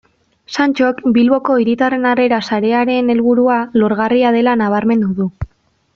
Santxok Bilboko Hiritarren Harrera Sarearen helburua lorgarria dela nabarmendu du.